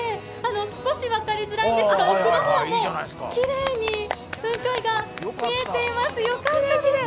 少し分かりづらいんですが奥の方、きれいに雲海が見えています、よかったです。